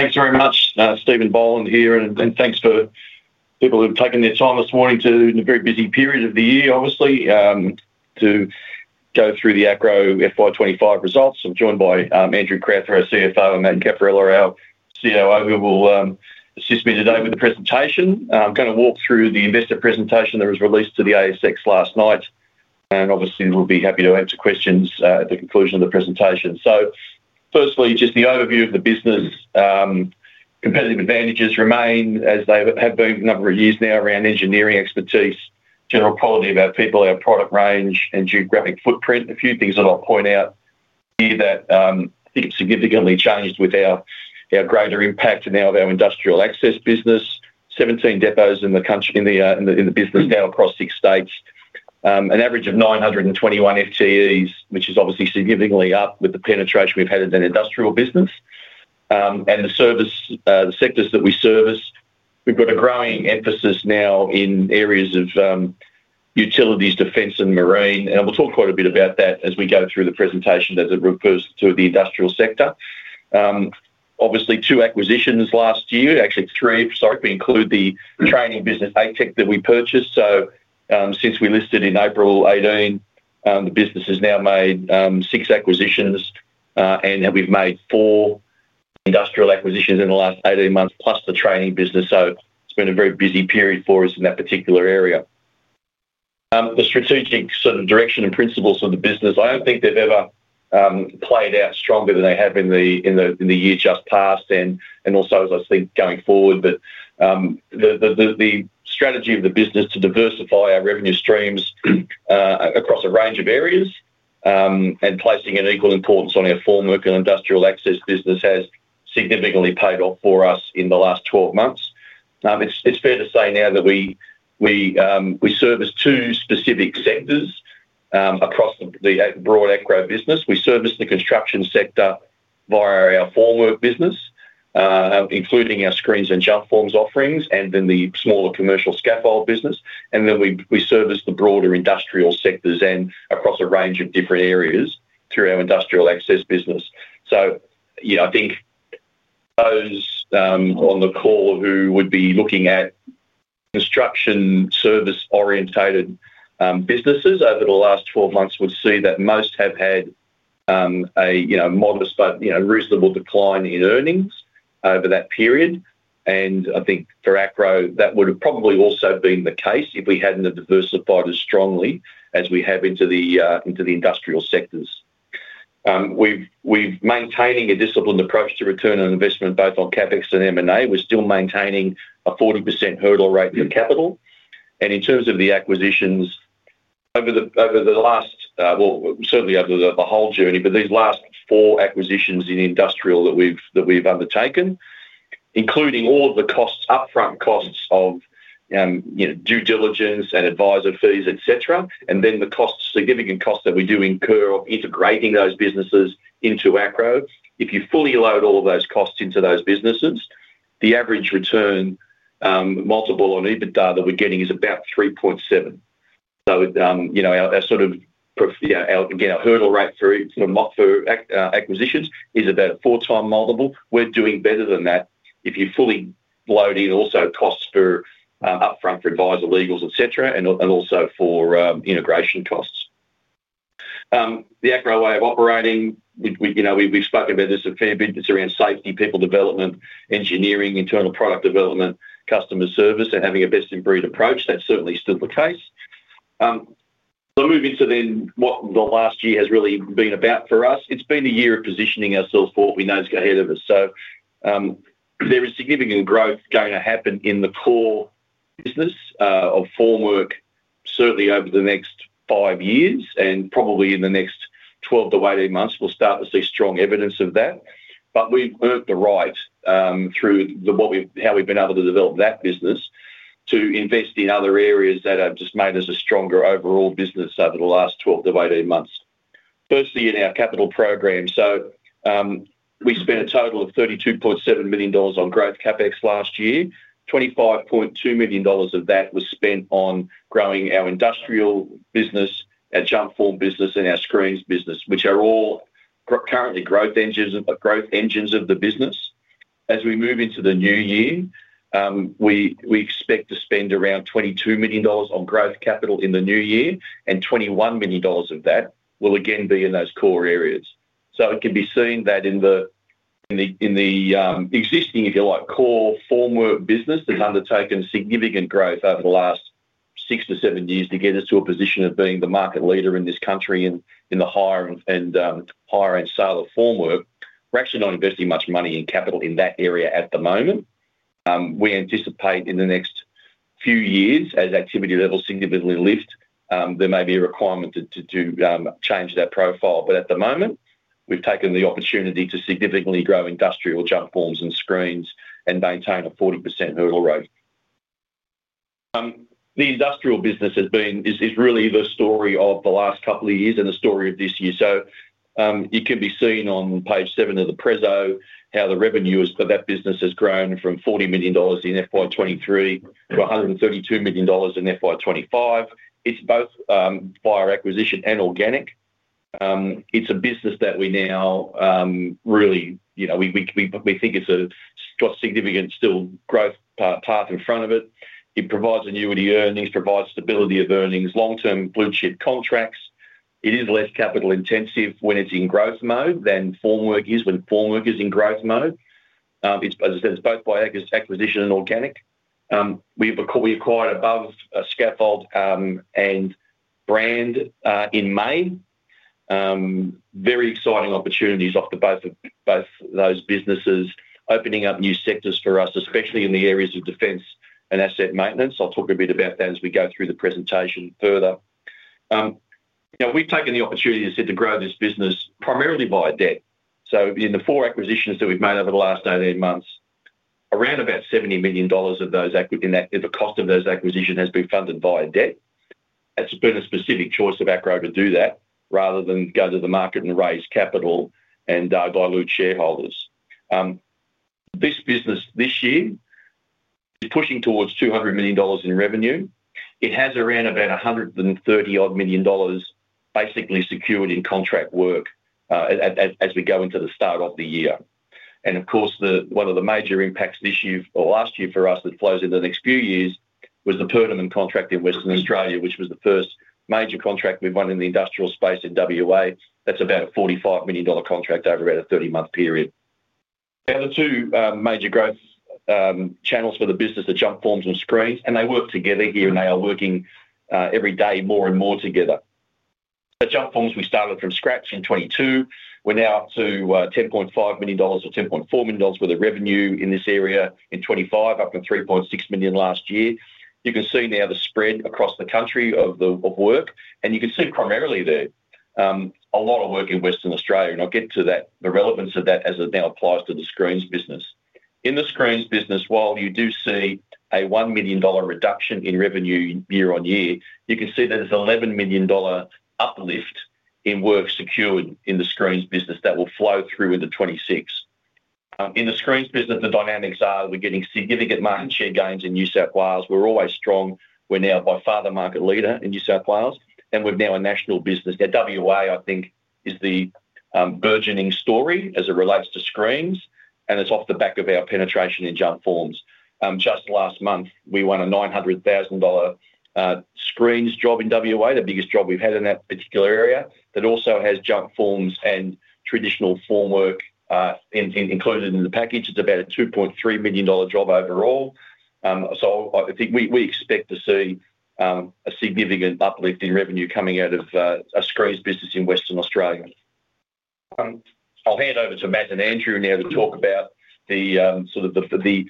Thanks very much, Steven Boland here, and thanks to people who have taken their time this morning to, in a very busy period of the year, obviously, to go through the Acrow FY25 Results. I'm joined by Andrew Crowther, our CFO, and Matt Caporella, our COO, who will assist me today with the presentation. I'm going to walk through the investor presentation that was released to the ASX last night, and we'll be happy to answer questions at the conclusion of the presentation. Firstly, just the overview of the business. Competitive advantages remain as they have been for a number of years now around engineering expertise, general quality of our people, our product range, and geographic footprint. A few things that I'll point out here that I think have significantly changed with our greater impact now of our industrial access business. Seventeen depots in the country in the business now across six states. An average of 921 FTEs, which is obviously significantly up with the penetration we've had in the industrial business. The sectors that we service, we've got a growing emphasis now in areas of utilities, defence, and marine. We'll talk quite a bit about that as we go through the presentation as it refers to the industrial sector. Obviously, two acquisitions last year, actually three, sorry, if we include the training business ATEC that we purchased. Since we listed in April 2018, the business has now made six acquisitions, and we've made four industrial acquisitions in the last 18 months, plus the training business. We're in a very busy period for us in that particular area. The strategic sort of direction and principles for the business, I don't think they've ever played out stronger than they have in the years just past, and also, as I think, going forward. The strategy of the business to diversify our revenue streams across a range of areas and placing an equal importance on our formwork and industrial access business has significantly paid off for us in the last 12 months. It's fair to say now that we service two specific sectors across the broad Acrow business. We service the construction sector via our formwork business, including our screens and jumpforms offerings, and then the smaller commercial scaffold business. We service the broader industrial sectors and across a range of different areas through our industrial access business. I think those on the call who would be looking at construction service-oriented businesses over the last 12 months would see that most have had a modest but reasonable decline in earnings over that period. I think for Acrow, that would have probably also been the case if we hadn't diversified as strongly as we have into the industrial sectors. We're maintaining a disciplined approach to return on investment, both on CapEx and M&A. We're still maintaining a 40% hurdle rate for capital. In terms of the acquisitions over the last, well, certainly over the whole journey, but these last four acquisitions in industrial that we've undertaken, including all of the costs, upfront costs of due diligence and advisor fees, et cetera, and then the costs, significant costs that we do incur integrating those businesses into Acrow, if you fully load all of those costs into those businesses, the average return multiple on EBITDA that we're getting is about 3.7. Our hurdle rate for acquisitions is about a 4x multiple. We're doing better than that if you fully load in also costs for upfront for advisor legals, et cetera, and also for integration costs. The Acrow way of operating, we've spoken about this a fair bit. It's around safety, people development, engineering, internal product development, customer service, and having a best-in-breed approach. That's certainly still the case. Moving to what the last year has really been about for us, it's been a year of positioning ourselves for what we know is ahead of us. There is significant growth going to happen in the core business of formwork certainly over the next five years, and probably in the next 12-18 months, we'll start to see strong evidence of that. We've earned the right through how we've been able to develop that business to invest in other areas that have just made us a stronger overall business over the last 12-18 months. Firstly, in our capital program, we spent a total of $32.7 million on growth CapEx last year. $25.2 million of that was spent on growing our industrial business, our jump form business, and our screens business, which are all currently growth engines of the business. As we move into the new year, we expect to spend around $22 million on growth capital in the new year, and $21 million of that will again be in those core areas. It can be seen that in the existing, if you like, core formwork business has undertaken significant growth over the last six to seven years to get us to a position of being the market leader in this country in the higher-end silo formwork. We're actually not investing much money in capital in that area at the moment. We anticipate in the next few years, as activity levels significantly lift, there may be a requirement to change that profile. At the moment, we've taken the opportunity to significantly grow industrial jump forms and screens and maintain a 40% hurdle rate. The industrial business has been really the story of the last couple of years and the story of this year. It can be seen on page seven of the Prezo, how the revenue for that business has grown from $40 million in FY23 to $132 million in FY25. It's both via acquisition and organic. It's a business that we now really, you know, we think it's a significant still growth path in front of it. It provides annuity earnings, provides stability of earnings, long-term blue chip contracts. It is less capital intensive when it's in growth mode than formwork is when formwork is in growth mode. As I said, it's both by acquisition and organic. We acquired Above Scaffolding and BRAND in May. Very exciting opportunities off both those businesses opening up new sectors for us, especially in the areas of defence and asset maintenance. I'll talk a bit about that as we go through the presentation further. We've taken the opportunity to grow this business primarily via debt. In the four acquisitions that we've made over the last 18 months, around about $70 million of those acquisitions, the cost of those acquisitions has been funded via debt. That's been a specific choice of Acrow to do that rather than go to the market and raise capital and dilute shareholders. This business this year is pushing towards $200 million in revenue. It has around about $130 million basically secured in contract work as we go into the start of the year. Of course, one of the major impacts this year or last year for us that flows into the next few years was the Perdaman contract in Western Australia, which was the first major contract we've won in the industrial space in WA. That's about a $45 million contract over about a 30-month period. The other two major growth channels for the business are jump forms and screens, and they work together here, and they are working every day more and more together. The jump forms we started from scratch in 2022. We're now up to $10.5 million or $10.4 million worth of revenue in this area in 2025, up to $3.6 million last year. You can see now the spread across the country of work, and you can see primarily there, a lot of work in Western Australia. I'll get to that, the relevance of that as it now applies to the screens business. In the screens business, while you do see a $1 million reduction in revenue year-on-year, you can see that there's an $11 million uplift in work secured in the screens business that will flow through into 2026. In the screens business, the dynamics are we're getting significant market share gains in New South Wales. We're always strong. We're now by far the market leader in New South Wales, and we've now a national business. Now, WA, I think, is the burgeoning story as it relates to screens, and it's off the back of our penetration in jump forms. Just last month, we won a $900,000 screens job in WA, the biggest job we've had in that particular area that also has jump forms and traditional formwork included in the package. It's about a $2.3 million job overall. I think we expect to see a significant uplift in revenue coming out of a screens business in Western Australia. I'll hand over to Matt and Andrew now to talk about the sort of the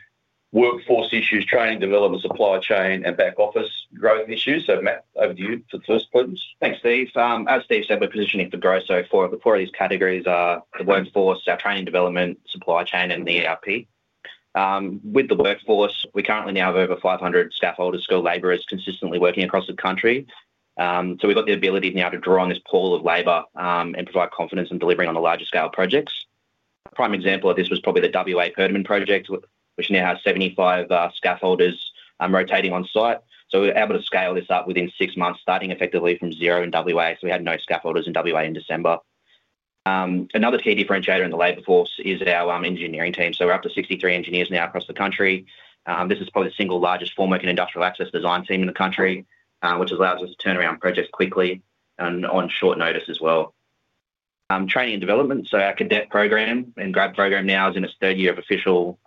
workforce issues, training, development, supply chain, and back office growth issues. Matt, over to you for the first points. Thanks, Steve. As Steve said, we're positioning for growth so far. The four of these categories are the workforce, our training, development, supply chain, and the ERP. With the workforce, we currently now have over 500 staffholders, skilled laborers consistently working across the country. We've got the ability now to draw on this pool of labor and provide confidence in delivering on the larger scale projects. A prime example of this was probably the WA Perdaman project, which now has 75 staffholders rotating on site. We were able to scale this up within six months, starting effectively from zero in WA. We had no staffholders in WA in December. Another key differentiator in the labor force is our engineering team. We're up to 63 engineers now across the country. This is probably the single largest formwork and industrial access design team in the country, which allows us to turn around projects quickly and on short notice as well. Training and development. Our cadet program and grad program now is in its third year of official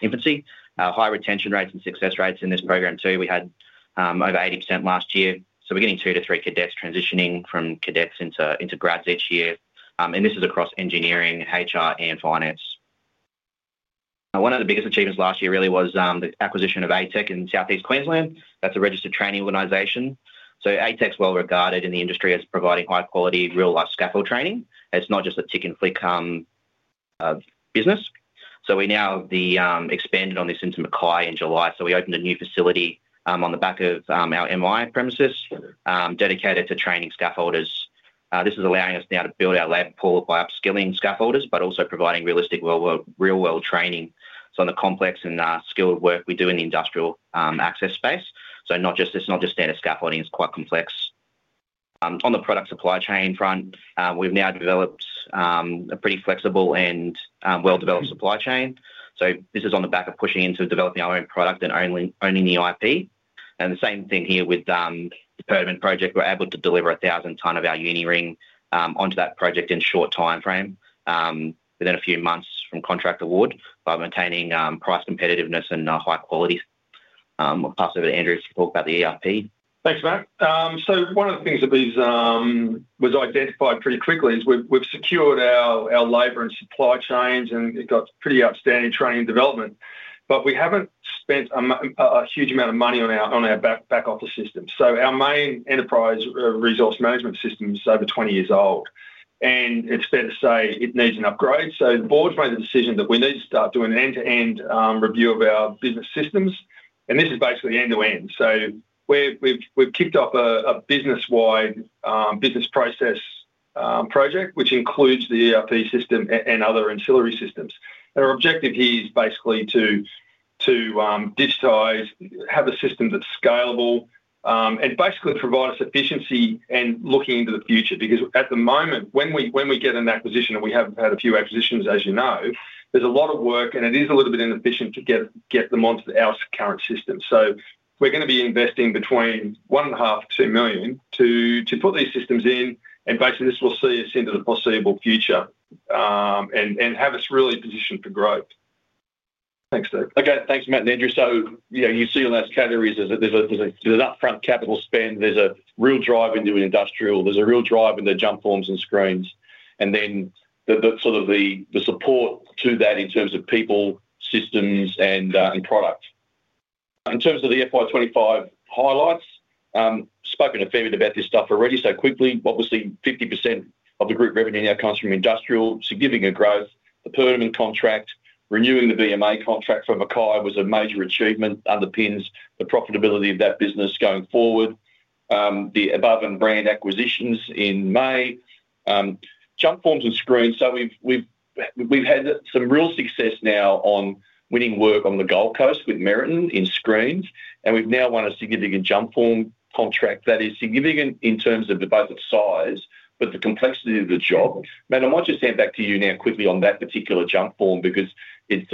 infancy. High retention rates and success rates in this program too. We had over 80% last year. We're getting two to three cadets transitioning from cadets into grads each year. This is across engineering, HR, and finance. One of the biggest achievements last year really was the acquisition of ATEC in Southeast Queensland. That's a registered training organization. ATEC's well regarded in the industry as providing high quality, real-life scaffold training. It's not just a tick and flick business. We now have expanded on this into Mackay in July. We opened a new facility on the back of our MI premises dedicated to training scaffolders. This is allowing us now to build our lab pool by upskilling scaffolders, but also providing realistic real-world training on the complex and skilled work we do in the industrial access space. It's not just standard scaffolding, it's quite complex. On the product supply chain front, we've now developed a pretty flexible and well-developed supply chain. This is on the back of pushing into developing our own product and owning the IP. The same thing here with the Perdaman project. We're able to deliver 1,000 ton of our Uni-Ring onto that project in a short timeframe, within a few months from contract award, by maintaining price competitiveness and high quality. I'll pass over to Andrew to talk about the ERP. Thanks, Matt. One of the things that we've identified pretty quickly is we've secured our labor and supply chains, and we've got pretty outstanding training and development. We haven't spent a huge amount of money on our back office system. Our main enterprise resource management system is over 20 years old. It's fair to say it needs an upgrade. The board made the decision that we need to start doing an end-to-end review of our business systems. This is basically end-to-end. We've kicked off a business-wide business process project, which includes the ERP system and other ancillary systems. Our objective here is basically to digitize, have a system that's scalable, and basically provide us efficiency and looking into the future. At the moment, when we get an acquisition, and we have had a few acquisitions, as you know, there's a lot of work, and it is a little bit inefficient to get them onto our current system. We're going to be investing between $1.5 million-$2 million to put these systems in. This will see us into the foreseeable future and have us really positioned for growth. Thanks, Steve. Okay. Thanks, Matt and Andrew. You see in those categories that there's an upfront capital spend. There's a real drive in doing industrial. There's a real drive in the jump forms and screens, and then the support to that in terms of people, systems, and product. In terms of the FY25 highlights, I've spoken a fair bit about this stuff already, so quickly, obviously, 50% of the group revenue now comes from industrial, significant growth. The Perdaman contract, renewing the BMA contract from Mackay was a major achievement, underpins the profitability of that business going forward. The Above and BRAND acquisitions in May, jump forms and screens. We've had some real success now on winning work on the Gold Coast with Meriton in screens, and we've now won a significant jump form contract that is significant in terms of both the size, but the complexity of the job. Matt, I might just hand back to you now quickly on that particular jump form because it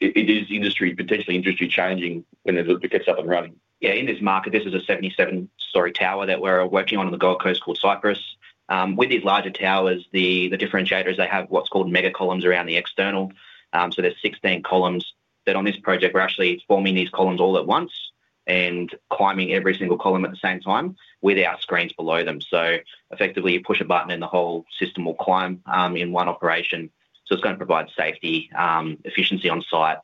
is potentially industry changing when it gets up and running. Yeah. In this market, this is a 77-story tower that we're working on in the Gold Coast called Cypress. With these larger towers, the differentiator is they have what's called mega columns around the external. There are 16 columns that on this project, we're actually forming all at once and climbing every single column at the same time with our screens below them. Effectively, you push a button and the whole system will climb in one operation. It's going to provide safety, efficiency on site,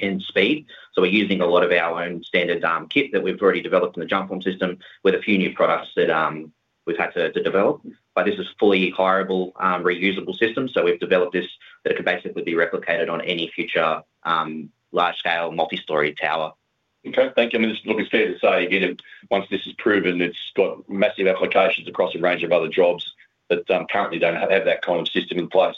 and speed. We're using a lot of our own standard kit that we've already developed in the jump form system with a few new products that we've had to develop. This is a fully acquirable, reusable system. We've developed this that could basically be replicated on any future large-scale multi-story tower. Okay, thank you. I mean, it's probably fair to say that once this is proven, it's got massive applications across a range of other jobs that currently don't have that kind of system in place.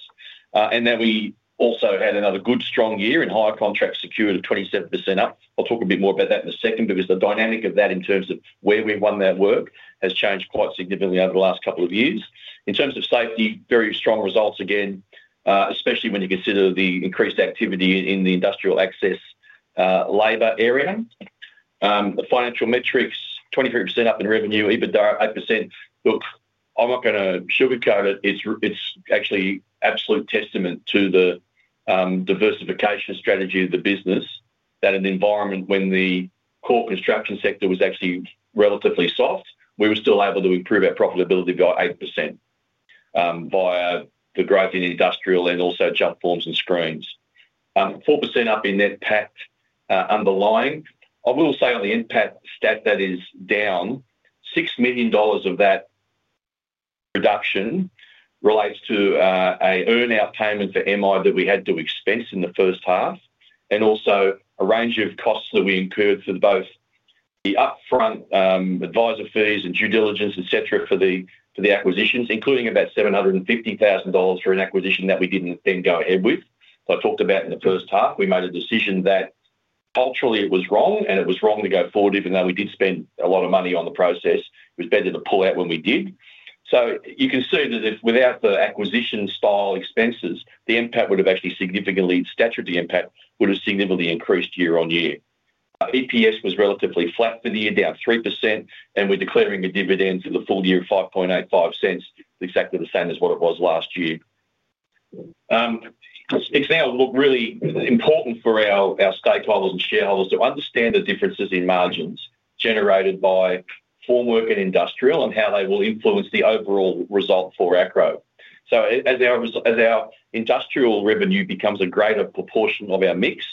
We also had another good, strong year and higher contract secured of 27% up. I'll talk a bit more about that in a second because the dynamic of that in terms of where we've won that work has changed quite significantly over the last couple of years. In terms of safety, very strong results again, especially when you consider the increased activity in the industrial access labor area. The financial metrics, 23% up in revenue, EBITDA 8%. Look, I'm not going to sugarcoat it. It's actually an absolute testament to the diversification strategy of the business that in an environment when the core construction sector was actually relatively soft, we were still able to improve our profitability by 8% via the growth in industrial and also jump forms and screens. 4% up in net PAT underlying. I will say on the NPAT stat that is down, $6 million of that reduction relates to an earn-out payment for MI that we had to expense in the first half and also a range of costs that we incurred for both the upfront advisor fees and due diligence, et cetera, for the acquisitions, including about $750,000 for an acquisition that we didn't then go ahead with. I talked about in the first half, we made a decision that culturally it was wrong and it was wrong to go forward, even though we did spend a lot of money on the process. It was better to pull out when we did. You can see that if without the acquisition style expenses, the NPAT would have actually significantly, the stature of the NPAT would have significantly increased year-on-year. EPS was relatively flat for the year, down 3%, and we're declaring a dividend for the full year of $0.0585, exactly the same as what it was last year. It's now really important for our stakeholders and shareholders to understand the differences in margins generated by formwork and industrial and how they will influence the overall result for Acrow. As our industrial revenue becomes a greater proportion of our mix,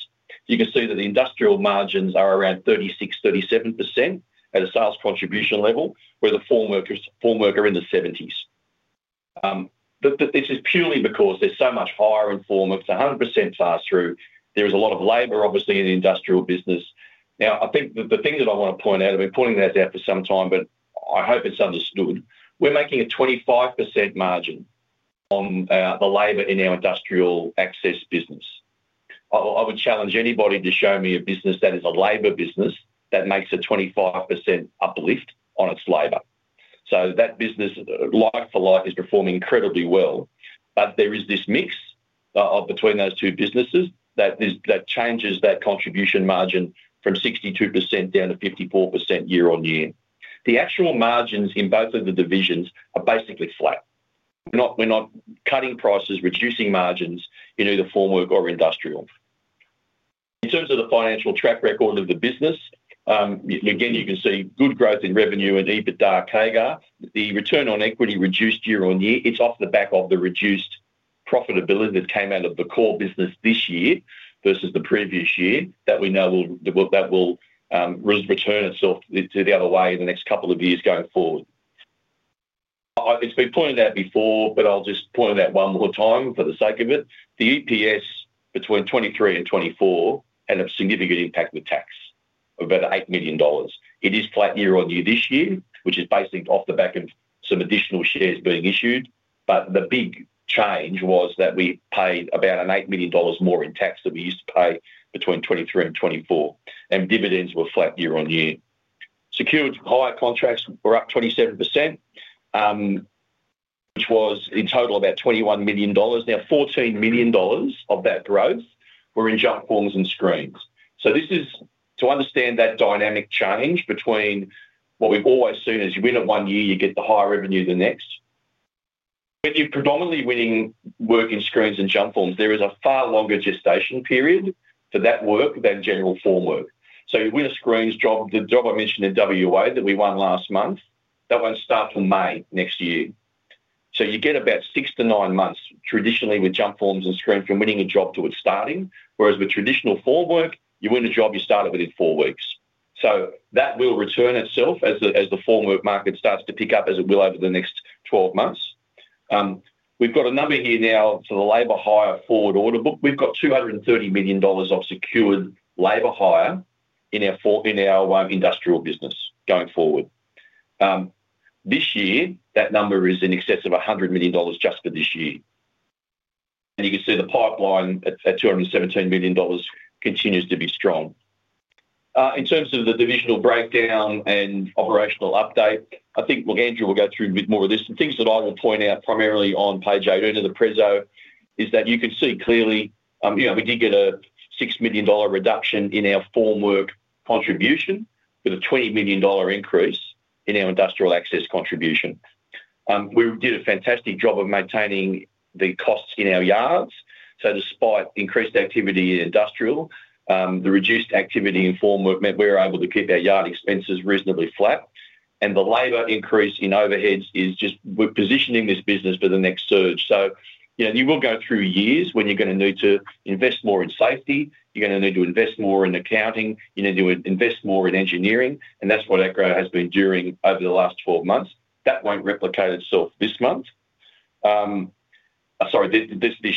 you can see that the industrial margins are around 36%-37% at a sales contribution level, where the formwork are in the 70s. This is purely because there's so much higher in formwork. It's 100% pass-through. There is a lot of labor, obviously, in the industrial business. Now, I think the thing that I want to point out, I've been pointing that out for some time, but I hope it's understood. We're making a 25% margin on the labor in our industrial access business. I would challenge anybody to show me a business that is a labor business that makes a 25% uplift on its labor. That business, life for life, is performing incredibly well. There is this mix between those two businesses that changes that contribution margin from 62% down to 54% year-on-year. The actual margins in both of the divisions are basically flat. We're not cutting prices, reducing margins in either formwork or industrial. In terms of the financial track record of the business, again, you can see good growth in revenue and EBITDA CAGR. The return on equity reduced year-on-year. It's off the back of the reduced profitability that came out of the core business this year versus the previous year that we know will return itself to the other way in the next couple of years going forward. It's been pointed out before, but I'll just point it out one more time for the sake of it. The EPS between 2023 and 2024 had a significant impact with tax of about $8 million. It is flat year-on-year this year, which is basically off the back of some additional shares being issued. The big change was that we paid about $8 million more in tax than we used to pay between 2023 and 2024. Dividends were flat year-on-year. Secured higher contracts were up 27%, which was in total about $21 million. Now, $14 million of that growth were in jump forms and screens. This is to understand that dynamic change between what we've always seen is you win at one year, you get the higher revenue the next. When you're predominantly winning work in screens and jump forms, there is a far longer gestation period for that work than general formwork. You win a screens job, the job I mentioned in WA that we won last month, that won't start from May next year. You get about six to nine months traditionally with jump forms and screens from winning a job to it starting, whereas with traditional formwork, you win a job, you start it within four weeks. That will return itself as the formwork market starts to pick up, as it will over the next 12 months. We've got a number here now for the labor hire forward order book. We've got $230 million of secured labor hire in our industrial business going forward. This year, that number is in excess of $100 million just for this year. You can see the pipeline at $217 million continues to be strong. In terms of the divisional breakdown and operational update, Andrew will go through more of this. The things that I will point out primarily on page eight under the Prezo is that you can see clearly, we did get a $6 million reduction in our formwork contribution with a $20 million increase in our industrial access contribution. We did a fantastic job of maintaining the costs in our yards. Despite increased activity in industrial, the reduced activity in formwork meant we were able to keep our yard expenses reasonably flat. The labor increase in overheads is just, we're positioning this business for the next surge. You will go through years when you're going to need to invest more in safety. You're going to need to invest more in accounting. You need to invest more in engineering. That's what Acrow has been doing over the last 12 months. That won't replicate itself this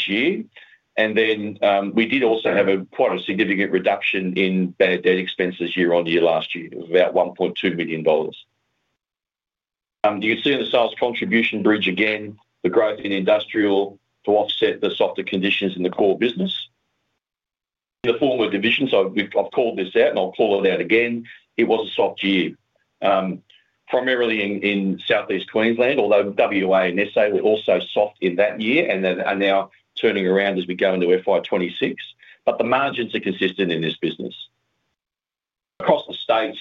year. We did also have quite a significant reduction in bad debt expenses year-on-year last year of about $1.2 million. You can see in the sales contribution bridge again, the growth in industrial to offset the softer conditions in the core business. In the formwork division, so I've called this out and I'll call it out again, it was a soft year. Primarily in Southeast Queensland, although WA and SA were also soft in that year and are now turning around as we go into FY26. The margins are consistent in this business. Across the states,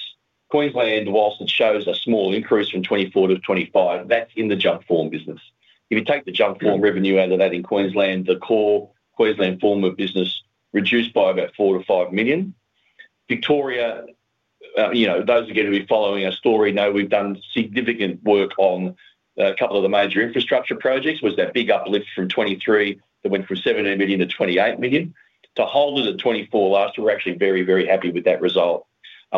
Queensland, whilst it shows a small increase from 2024 to 2025, that's in the jump form business. If you take the jump form revenue out of that in Queensland, the core Queensland formwork business reduced by about $4 million-$5 million. Victoria, those again who are following our story know we've done significant work on a couple of the major infrastructure projects. Was that big uplift from 2023 that went from $7 million to $28 million? To hold it at 2024 last year, we're actually very, very happy with that result.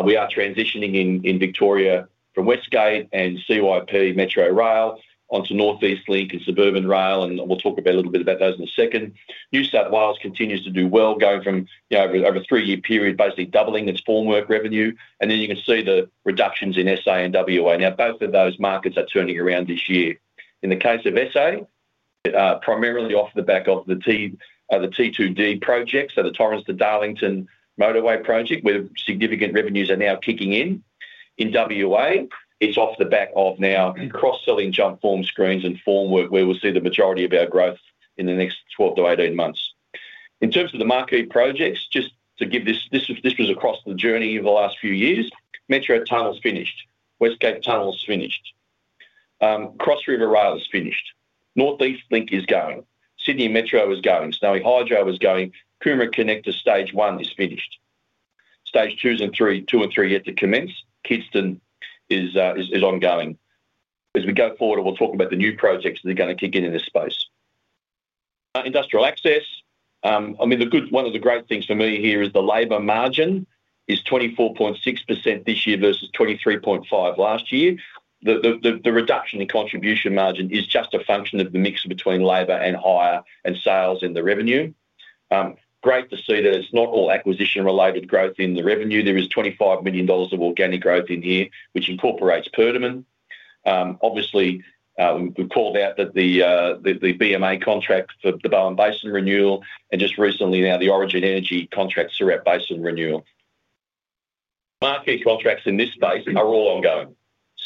We are transitioning in Victoria from West Gate and CYP Metro Rail onto North East Link and Suburban Rail, and we'll talk a little bit about those in a second. New South Wales continues to do well, going from over a three-year period, basically doubling its formwork revenue. You can see the reductions in SA and WA. Both of those markets are turning around this year. In the case of SA, primarily off the back of the T2D Project, so the Torrens to Darlington motorway project, where significant revenues are now kicking in. In WA, it's off the back of now cross-selling jump form, screens, and formwork, where we'll see the majority of our growth in the next 12-18 months. In terms of the marquee projects, just to give this, this was across the journey over the last few years. Metro Tunnel's finished. West Gate Tunnel's finished. Cross River Rail is finished. North East Link is going. Sydney Metro is going. Snowy Hydro is going. Coomera Connector Stage 1 is finished. Stage two and three are yet to commence. Kidston is ongoing. As we go forward, we'll talk about the new projects that are going to kick in in this space. Industrial access. I mean, one of the great things for me here is the labor margin is 24.6% this year versus 23.5% last year. The reduction in contribution margin is just a function of the mix between labor and hire and sales in the revenue. Great to see that it's not all acquisition-related growth in the revenue. There is $25 million of organic growth in here, which incorporates Perdaman. Obviously, we've called out that the BMA contract for the Bowen Basin renewal and just recently now the Origin Energy contract, Surat Basin renewal. Marquee contracts in this space are all ongoing.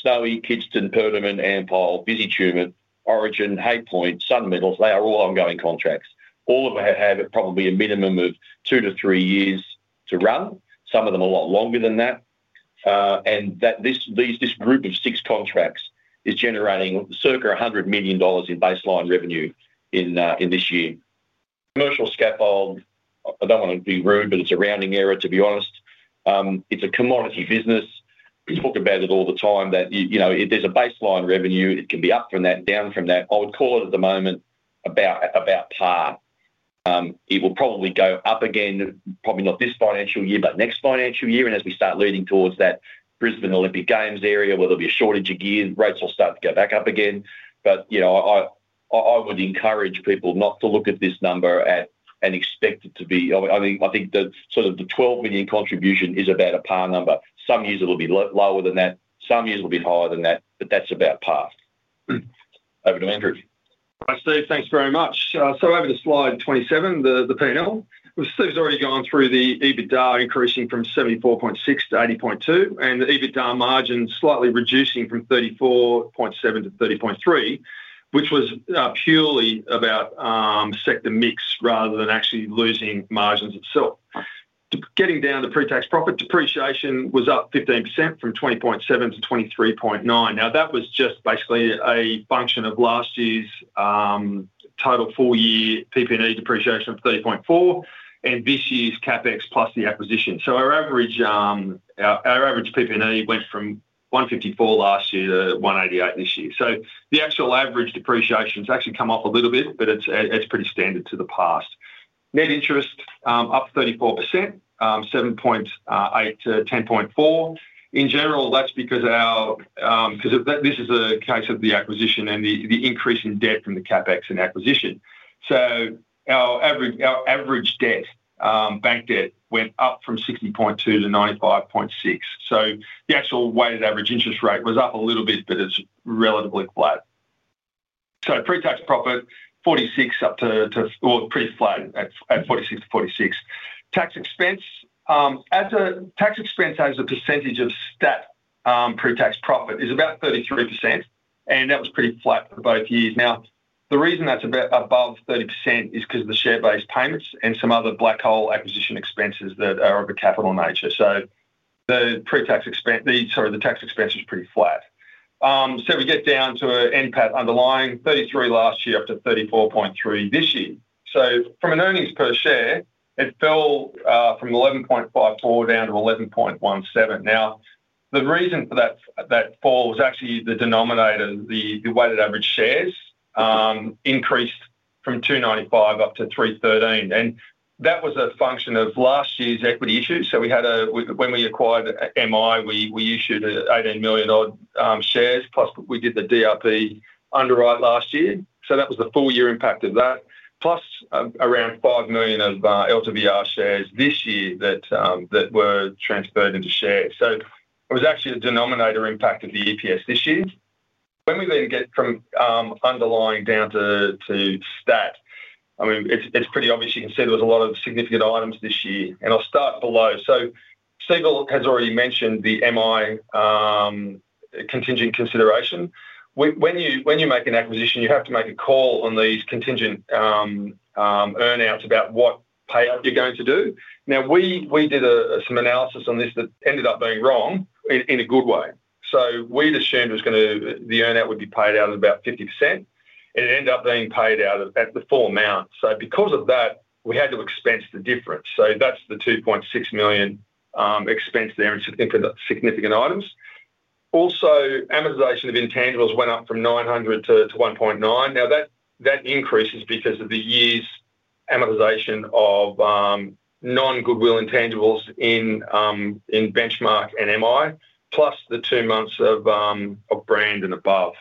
Snowy, Kidston, Perdaman, Ampol, Visy Tumut, Origin, Hay Point, Sun Metals, they are all ongoing contracts. All of them have probably a minimum of two to three years to run. Some of them are a lot longer than that. This group of six contracts is generating circa $100 million in baseline revenue in this year. Commercial scaffold, I don't want to be rude, but it's a rounding error, to be honest. It's a commodity business. We talk about it all the time that, you know, there's a baseline revenue. It can be up from that and down from that. I would call it at the moment about par. It will probably go up again, probably not this financial year, but next financial year. As we start leading towards that Brisbane Olympic Games area, where there'll be a shortage of gear, rates will start to go back up again. I would encourage people not to look at this number and expect it to be, I mean, I think that sort of the $12 million contribution is about a par number. Some years it'll be lower than that. Some years it'll be higher than that, but that's about par. Over to Andrew. Hi, Steve. Thanks very much. Over to slide 27, the P&L. Steve's already gone through the EBITDA increasing from $74.6 million to $80.2 million, and the EBITDA margin slightly reducing from 34.7% to 30.3%, which was purely about sector mix rather than actually losing margins itself. Getting down to pre-tax profit, depreciation was up 15% from $20.7 million to $23.9 million. That was just basically a function of last year's total full-year PP&E depreciation of $30.4 million and this year's CapEx plus the acquisition. Our average PP&E went from $154 million last year to $188 million this year. The actual average depreciation's actually come up a little bit, but it's pretty standard to the past. Net interest up 34%, $7.8 million to $10.4 million. In general, that's because of the acquisition and the increase in debt from the CapEx and acquisition. Our average bank debt went up from $60.2 million to $95.6 million. The actual weighted average interest rate was up a little bit, but it's relatively flat. Pre-tax profit $46 million up to, pretty flat at $46 million to $46 million. Tax expense, as a tax expense as a percentage of stat pre-tax profit, is about 33%, and that was pretty flat for both years. The reason that's above 30% is because of the share-based payments and some other black hole acquisition expenses that are of a capital nature. The tax expense was pretty flat. We get down to an NPAT underlying $33 million last year up to $34.3 million this year. From an earnings per share, it fell from $0.1154 down to $0.1117. The reason for that fall was actually the denominator, the weighted average shares increased from 295 million up to 313 million. That was a function of last year's equity issues. When we acquired MI, we issued 18 million odd shares, plus we did the DRP underwrite last year. That was the full year impact of that, plus around 5 million of LTVR shares this year that were transferred into shares. It was actually a denominator impact of the EPS this year. When we then get from underlying down to stat, it's pretty obvious you can see there was a lot of significant items this year, and I'll start below. Steve has already mentioned the MI contingent consideration. When you make an acquisition, you have to make a call on these contingent earnouts about what payout you're going to do. We did some analysis on this that ended up being wrong in a good way. We assumed the earnout would be paid out at about 50%, and it ended up being paid out at the full amount. Because of that, we had to expense the difference. That's the $2.6 million expense there in significant items. Also, amortization of intangibles went up from $0.9 million to $1.9 million. That increase is because of the year's amortization of non-goodwill intangibles in Benchmark and MI, plus the two months of BRAND and Above.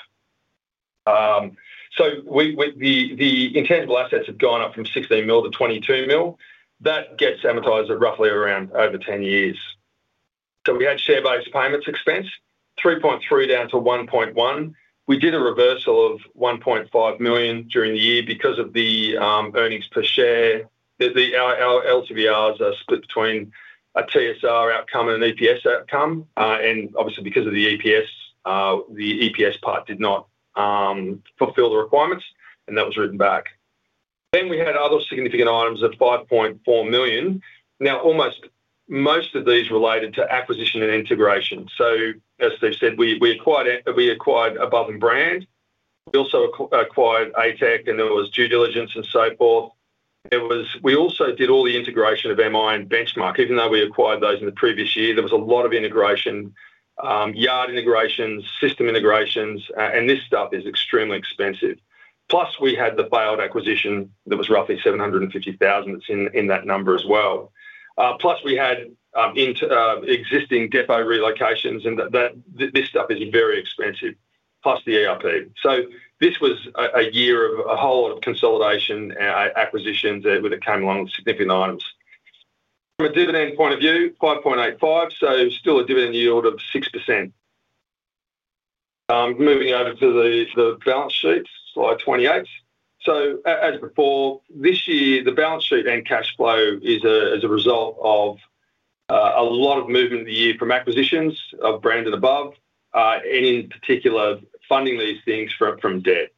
The intangible assets have gone up from $16 million to $22 million. That gets amortized at roughly around over 10 years. We had share-based payments expense, $3.3 million down to $1.1 million. We did a reversal of $1.5 million during the year because of the earnings per share. Our LTVRs are split between a TSR outcome and an EPS outcome. Obviously, because of the EPS, the EPS part did not fulfill the requirements, and that was written back. We had other significant items of $5.4 million. Almost most of these related to acquisition and integration. As they've said, we acquired Above and BRAND. We also acquired ATEC, and there was due diligence and so forth. We also did all the integration of MI and Benchmark. Even though we acquired those in the previous year, there was a lot of integration, yard integrations, system integrations, and this stuff is extremely expensive. Plus, we had the failed acquisition that was roughly $750,000 that's in that number as well. We had existing depot relocations, and this stuff is very expensive, plus the ERP. This was a year of a whole lot of consolidation acquisitions that came along with significant items. From a dividend point of view, $0.0585, so still a dividend yield of 6%. Moving over to the balance sheet, slide 28. As before, this year, the balance sheet and cash flow is a result of a lot of movement in the year from acquisitions of BRAND and Above, and in particular, funding these things from debt.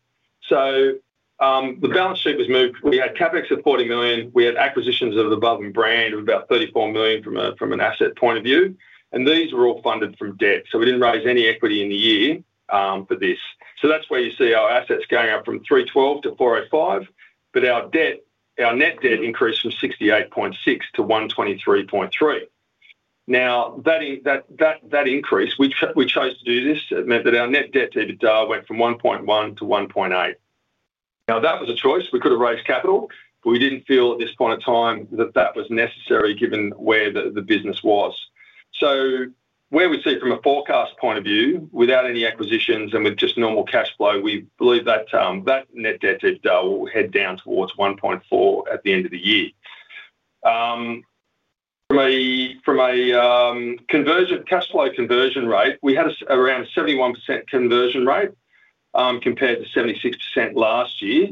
The balance sheet was moved. We had CapEx of $40 million. We had acquisitions of Above and BRAND of about $34 million from an asset point of view, and these were all funded from debt. We didn't raise any equity in the year for this. That's where you see our assets going up from $312 million to $405 million, but our net debt increased from $68.6 million to $123.3 million. That increase, we chose to do this. It meant that our net debt to EBITDA went from 1.1 to 1.8. That was a choice. We could have raised capital, but we didn't feel at this point in time that that was necessary given where the business was. Where we see it from a forecast point of view, without any acquisitions and with just normal cash flow, we believe that net debt to EBITDA will head down towards 1.4 at the end of the year. From a cash flow conversion rate, we had around a 71% conversion rate compared to 76% last year.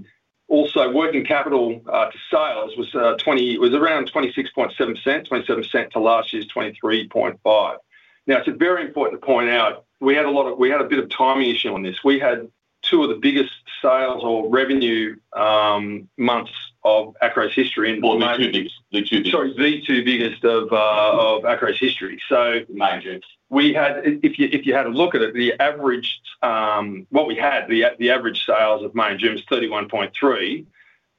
Also, working capital to sales was around 26.7%-27% to last year's 23.5%. It's very important to point out we had a bit of a timing issue on this. We had two of the biggest sales or revenue months of Acrow's history in May, the two biggest. Sorry, the two biggest of Acrow's history. If you had a look at it, the average, what we had, the average sales of May and June was $31.3 million.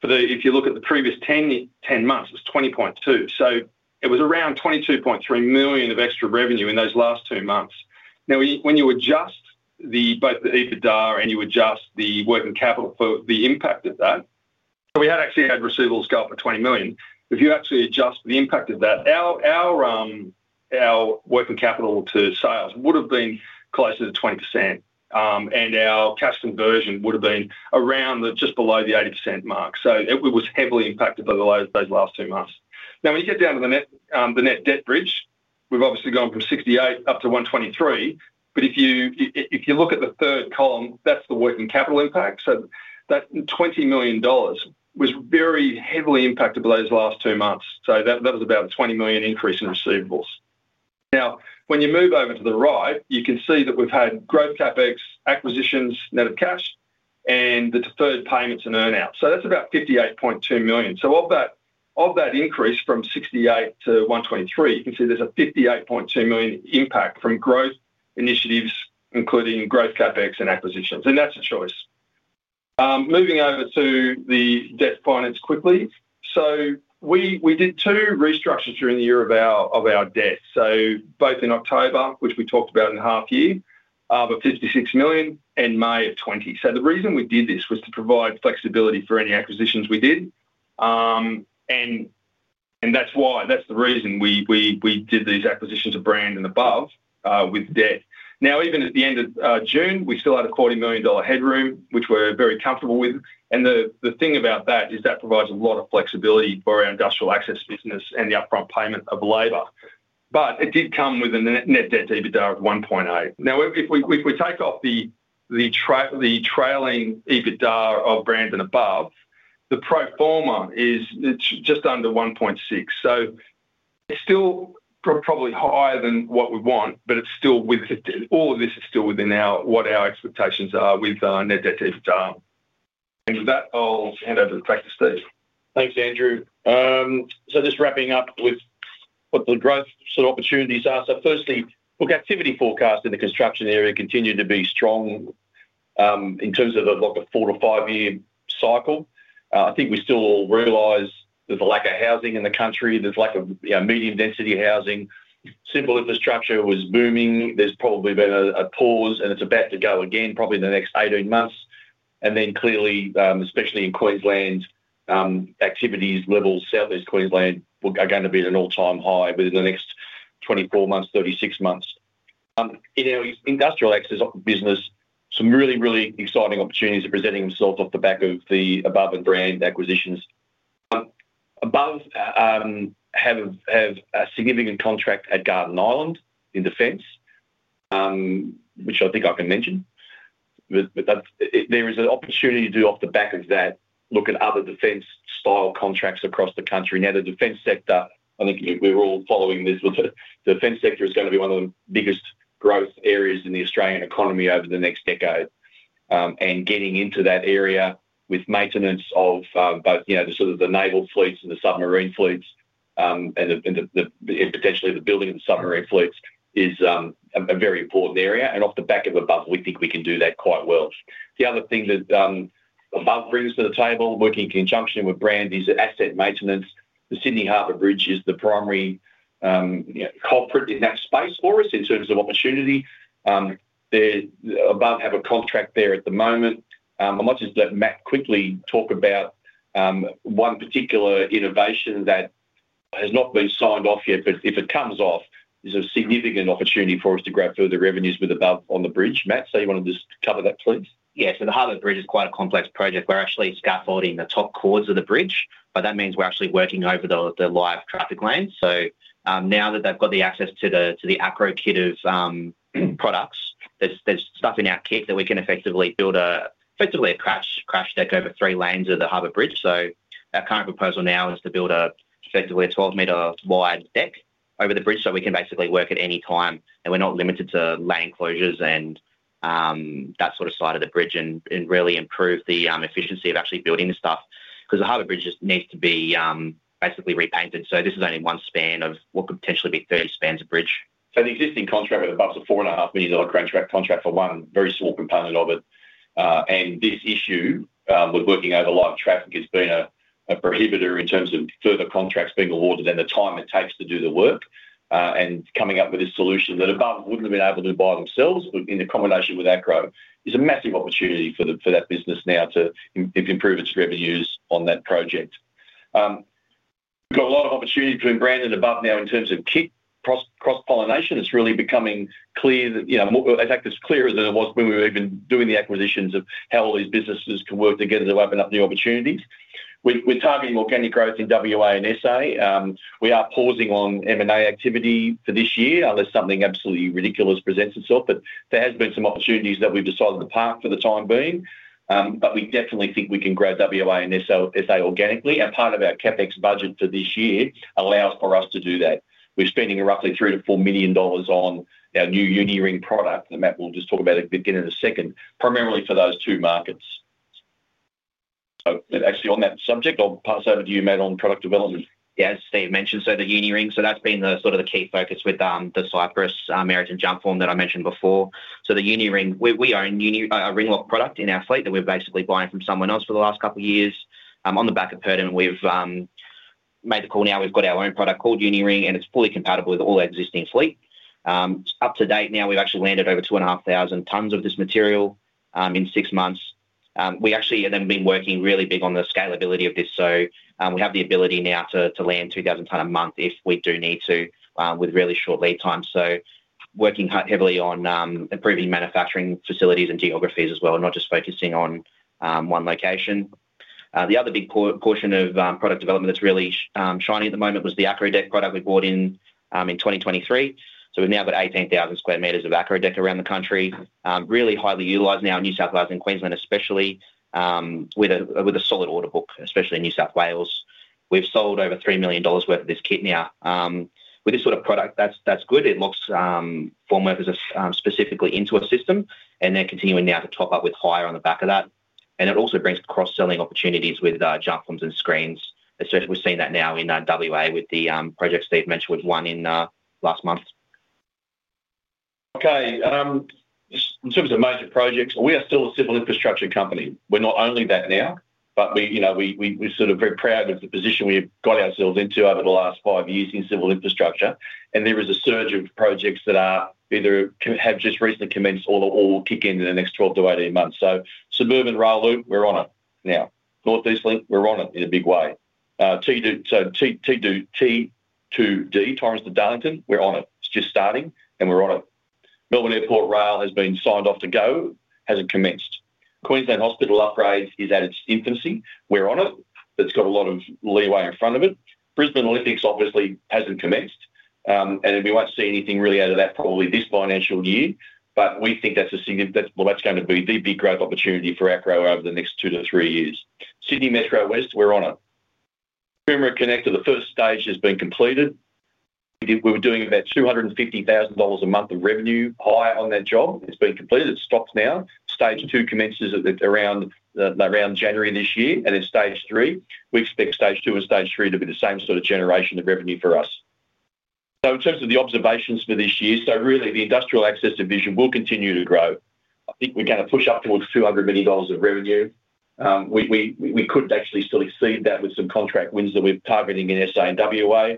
If you look at the previous 10 months, it was $20.2 million. It was around $22.3 million of extra revenue in those last two months. When you adjust both the EBITDA and you adjust the working capital for the impact of that, we had actually had receivables go up for $20 million. If you actually adjust for the impact of that, our working capital to sales would have been closer to 20%, and our cash conversion would have been around just below the 80% mark. It was heavily impacted by those last two months. When you get down to the net debt bridge, we've obviously gone from $68 million up to $123 million. If you look at the third column, that's the working capital impact. That $20 million was very heavily impacted by those last two months. That was about a $20 million increase in receivables. When you move over to the right, you can see that we've had growth of CapEx, acquisitions, net of cash, and the deferred payments and earnouts. That's about $58.2 million. Of that increase from $68 million to $123 million, you can see there's a $58.2 million impact from growth initiatives, including growth CapEx and acquisitions. That's a choice. Moving over to the debt finance quickly, we did two restructures during the year of our debt, both in October, which we talked about in half year, of $56 million and May of $20 million. The reason we did this was to provide flexibility for any acquisitions we did. That's why, that's the reason we did these acquisitions of BRAND and Above with debt. Even at the end of June, we still had a $40 million headroom, which we're very comfortable with. The thing about that is that provides a lot of flexibility for our industrial access business and the upfront payment of labor. It did come with a net debt to EBITDA of 1.8. If we take off the trailing EBITDA of BRAND and Above, the pro forma is just under 1.6. It's still probably higher than what we want, but it's still with all of this, it's still within what our expectations are with net debt to EBITDA. With that, I'll hand over to the practice, Steve. Thanks, Andrew. Just wrapping up with what the growth sort of opportunities are. Firstly, look, activity forecast in the construction area continued to be strong in terms of the four to five-year cycle. I think we still realize there's a lack of housing in the country. There's a lack of medium density housing. Simple infrastructure was booming. There's probably been a pause, and it's about to go again probably in the next 18 months. Clearly, especially in Queensland, activity levels in Southeast Queensland are going to be at an all-time high within the next 24 months, 36 months. In our industrial access business, some really, really exciting opportunities are presenting themselves off the back of the Above and BRAND acquisitions. Above have a significant contract at Garden Island in defense, which I think I can mention. There is an opportunity to do off the back of that, look at other defense-style contracts across the country. The defense sector, I think we're all following this. The defense sector is going to be one of the biggest growth areas in the Australian economy over the next decade. Getting into that area with maintenance of both the sort of the naval fleets and the submarine fleets and potentially the building of the submarine fleets is a very important area. Off the back of Above, we think we can do that quite well. The other thing that Above brings to the table, working in conjunction with BRAND, is asset maintenance. The Sydney Harbour Bridge is the primary coffer in that space for us in terms of opportunity. Above have a contract there at the moment. I might just let Matt quickly talk about one particular innovation that has not been signed off yet, but if it comes off, there's a significant opportunity for us to grab further revenues with Above on the bridge. Matt, you want to just cover that, please? Yeah, the Harbour Bridge is quite a complex project. We're actually scaffolding the top cords of the bridge, which means we're actually working over the live traffic lanes. Now that they've got access to the Acrow kit of products, there's stuff in our kit that we can effectively build, effectively a crash deck over three lanes of the Harbour Bridge. Our current proposal now is to build effectively a 12-meter wide deck over the bridge so we can basically work at any time. We're not limited to lane closures and that sort of side of the bridge, and really improve the efficiency of actually building this stuff because the Harbour Bridge just needs to be basically repainted. This is only one span of what could potentially be 30 spans of bridge. The existing contract with Above is a $4.5 million grant contract for one very small component of it. This issue with working over live traffic has been a prohibitor in terms of further contracts being awarded and the time it takes to do the work. Coming up with this solution that Above wouldn't have been able to do by themselves, but in combination with Acrow, is a massive opportunity for that business now to improve its revenues on that project. There is a lot of opportunity between BRAND and Above now in terms of kit cross-pollination. It's really becoming clear that, in fact, it's clearer than it was when we were even doing the acquisitions of how all these businesses can work together to open up new opportunities. We're targeting organic growth in WA and SA. We are pausing on M&A activity for this year unless something absolutely ridiculous presents itself. There have been some opportunities that we've decided to park for the time being. We definitely think we can grab WA and SA organically. Part of our CapEx budget for this year allows for us to do that. -e're spending roughly $3 million-$4 million on our new Uni-Ring product that Matt will just talk about at the beginning in a second, primarily for those two markets. Actually, on that subject, I'll pass over to you, Matt, on product development. Yeah, as Steve mentioned, the Uni-Ring, that's been the key focus with the Cypress Meriton jump form that I mentioned before. The Uni-Ring, we own a Ringlock product in our fleet that we've basically been buying from someone else for the last couple of years. On the back of Perdaman, we've made the call now. We've got our own product called Uni-Ring, and it's fully compatible with all our existing fleet. Up to date now, we've actually landed over 2,500 tons of this material in six months. We've been working really big on the scalability of this. We have the ability now to land 2,000 tons a month if we do need to with really short lead times. We're working heavily on improving manufacturing facilities and geographies as well, not just focusing on one location. The other big portion of product development that's really shining at the moment was the Acrow Deck product we brought in in 2023. We've now got 18,000 sq m of Acrow Deck around the country, really highly utilized now in New South Wales and Queensland, especially with a solid order book, especially in New South Wales. We've sold over $3 million worth of this kit now. With this sort of product, that's good. It locks formworkers specifically into a system, and they're continuing now to top up with hire on the back of that. It also brings cross-selling opportunities with jump forms and screens. We're seeing that now in WA with the project Steve mentioned with one in last month. Okay. In terms of major projects, we are still a civil infrastructure company. We're not only that now, but we're sort of very proud of the position we've got ourselves into over the last five years in civil infrastructure. There is a surge of projects that either have just recently commenced or will kick in in the next 12-18 months. Suburban Rail Loop, we're on it now. North East Link, we're on it in a big way. T2D, Torrens to Darlington, we're on it. It's just starting, and we're on it. Melbourne Airport Rail has been signed off to go, hasn't commenced. Queensland hospital upgrade is at its infancy. We're on it, but it's got a lot of leeway in front of it. Brisbane Olympics obviously hasn't commenced, and we won't see anything really out of that probably this financial year, but we think that's a significant, that's going to be the big growth opportunity for Acrow over the next two to three years. Sydney Metro West, we're on it. Coomera Connector, the first stage has been completed. We were doing about $250,000 a month of revenue high on that job. It's been completed. It stops now. Stage two commences around January this year, and in stage three, we expect stage two and stage three to be the same sort of generation of revenue for us. In terms of the observations for this year, the industrial access division will continue to grow. I think we're going to push up towards $200 million of revenue. We could actually still exceed that with some contract wins that we're targeting in SA and WA.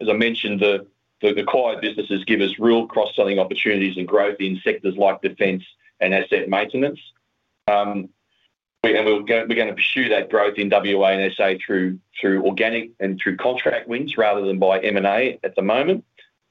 As I mentioned, the acquired businesses give us real cross-selling opportunities and growth in sectors like defense and asset maintenance. We're going to pursue that growth in WA and SA through organic and through contract wins rather than by M&A at the moment.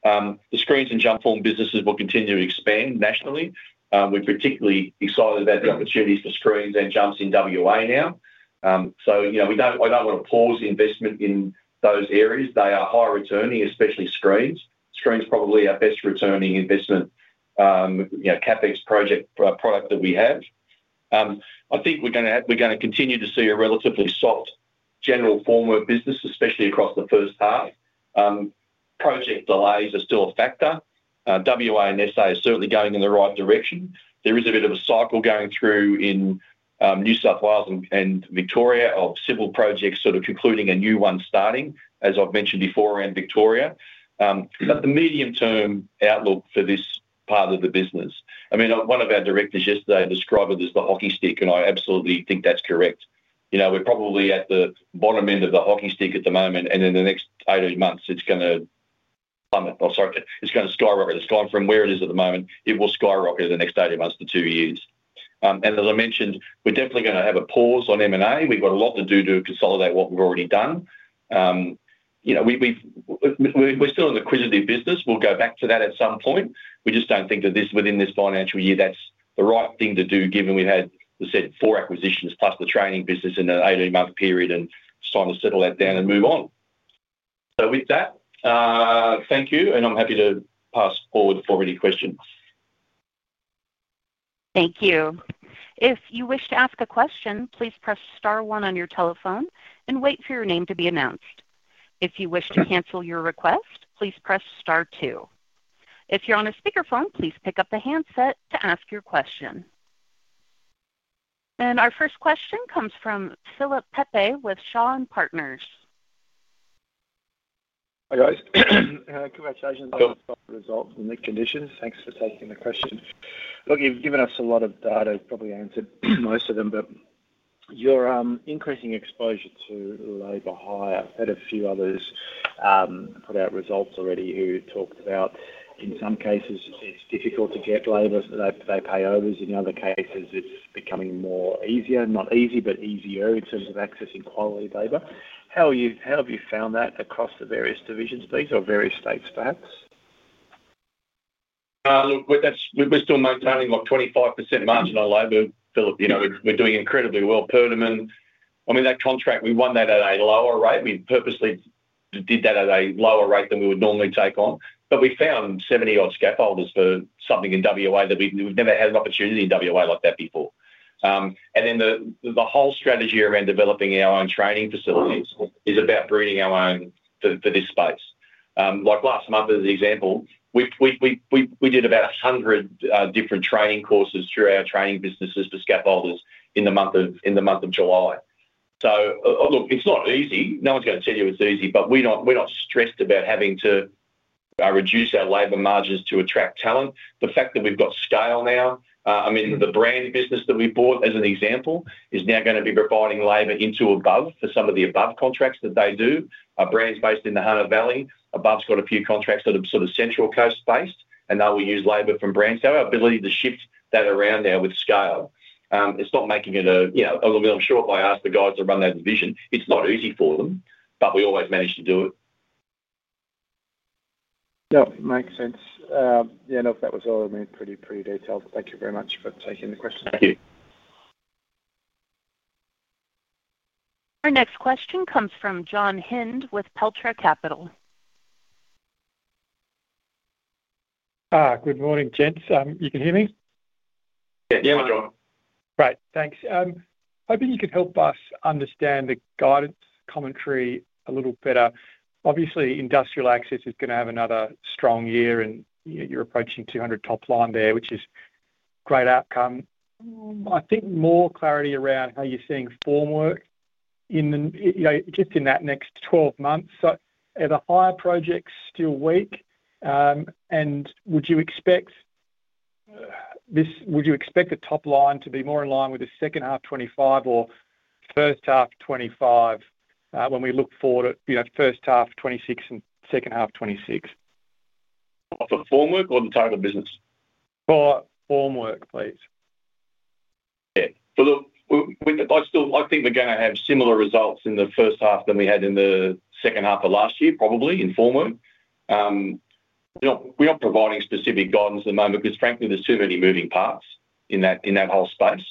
The screens and jump form businesses will continue to expand nationally. We're particularly excited about the opportunities for screens and jumps in WA now. I don't want to pause the investment in those areas. They are high returning, especially screens. Screens is probably our best returning investment, CapEx project product that we have. I think we're going to continue to see a relatively soft general formwork business, especially across the first part. Project delays are still a factor. WA and SA are certainly going in the right direction. There is a bit of a cycle going through in New South Wales and Victoria of civil projects sort of concluding and new ones starting, as I've mentioned before, around Victoria. The medium-term outlook for this part of the business, I mean, one of our directors yesterday described it as the hockey stick, and I absolutely think that's correct. We're probably at the bottom end of the hockey stick at the moment, and in the next 18 months, it's going to skyrocket. It's gone from where it is at the moment. It will skyrocket in the next 18 months to two years. As I mentioned, we're definitely going to have a pause on M&A. We've got a lot to do to consolidate what we've already done. We're still in the acquisitive business. We'll go back to that at some point. We just don't think that within this financial year, that's the right thing to do, given we've had, we said, four acquisitions plus the training business in an 18-month period and it's time to settle that down and move on. With that, thank you, and I'm happy to pass forward the form of any questions. Thank you. If you wish to ask a question, please press star one on your telephone and wait for your name to be announced. If you wish to cancel your request, please press star two. If you're on a speakerphone, please pick up the handset to ask your question. Our first question comes from Philip Pepe with Shaw and Partners. Hi guys. Congratulations on the results and the conditions. Thanks for taking the question. Look, you've given us a lot of data. I've probably answered most of them, but your increasing exposure to labor hire. I had a few others put out results already who talked about in some cases it's difficult to get labor. They pay overs. In other cases, it's becoming more easier, not easy, but easier in terms of accessing quality labor. How have you found that across the various divisions, please, or various states perhaps? Look, we're still maintaining like 25% margin on labor. You know, we're doing incredibly well. Perdaman, I mean, that contract, we won that at a lower rate. We purposely did that at a lower rate than we would normally take on. We found 70-odd scaffolders for something in WA that we've never had an opportunity in WA like that before. The whole strategy around developing our own training facilities is about breeding our own for this space. Last month as an example, we did about 100 different training courses through our training businesses for scaffolders in the month of July. It's not easy. No one's going to tell you it's easy, but we're not stressed about having to reduce our labor margins to attract talent. The fact that we've got scale now, I mean, the BRAND business that we bought as an example is now going to be refining labor into Above for some of the Above contracts that they do. BRAND's based in the Hunter Valley. Above's got a few contracts that are sort of Central Coast based, and they will use labor from BRAND. Our ability to shift that around now with scale, it's not making it a, you know, although I'm sure if I ask the guys that run that division, it's not easy for them, but we always manage to do it. Yep, makes sense. That was all pretty detailed. Thank you very much for taking the question. Thank you. Our next question comes from John Hynd with Petra Capital. Good morning, gents. You can hear me? Yeah. Great, thanks. Hoping you could help us understand the guidance commentary a little better. Obviously, industrial access is going to have another strong year, and you're approaching $200 million top line there, which is a great outcome. I think more clarity around how you're seeing formwork in the, you know, just in that next 12 months. Are the higher projects still weak? Would you expect the top line to be more in line with the second half 2025 or first half 2025 when we look forward at, you know, first half 2026 and second half 2026? For the formwork or the target business? For formwork, please. Yeah, I still, I think we're going to have similar results in the first half than we had in the second half of last year, probably in formwork. We're not providing specific guidance at the moment because, frankly, there's too many moving parts in that whole space.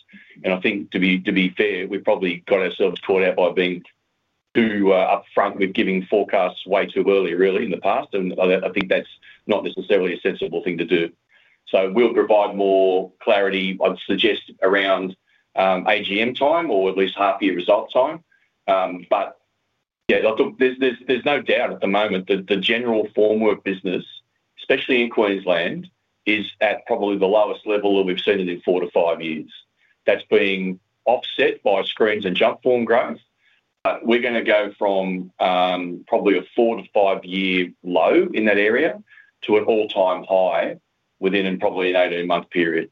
I think to be fair, we've probably got us sort of caught out by being too upfront with giving forecasts way too early, really, in the past. I think that's not necessarily a sensible thing to do. We'll provide more clarity, I'd suggest, around AGM time or at least half-year result time. Yeah, there's no doubt at the moment that the general formwork business, especially in Queensland, is at probably the lowest level that we've seen it in four to five years. That's being offset by screens and jump form growth. We're going to go from probably a four to five-year low in that area to an all-time high within probably an 18-month period.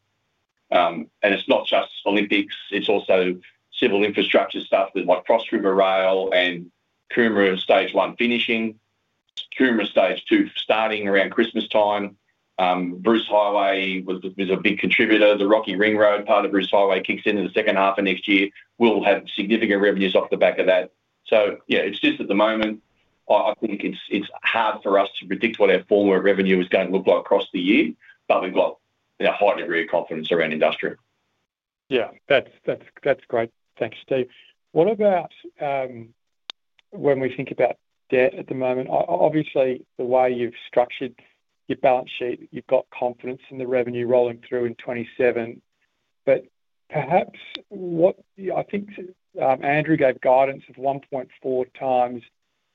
It's not just Olympics. It's also civil infrastructure stuff with like Cross River Rail and Coomera Stage 1 finishing, Coomera Stage 2 starting around Christmas time. Bruce Highway was a big contributor. The Rocky Ring Road part of Bruce Highway kicks into the second half of next year. We'll have significant revenues off the back of that. At the moment, I think it's hard for us to predict what our formwork revenue is going to look like across the year, but we've got a high degree of confidence around industrial. Yeah, that's great. Thanks, Steve. What about when we think about debt at the moment? Obviously, the way you've structured your balance sheet, you've got confidence in the revenue rolling through in 2027. Perhaps what I think Andrew gave guidance of 1.4x